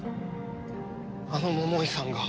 あの桃井さんが。